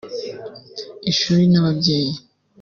Ishuri n’ababyeyi